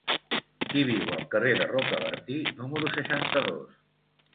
Qui viu al carrer de Rocabertí número seixanta-dos?